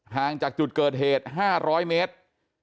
ห่างจากจุดเกิดเหตุ๕๐๐เมตร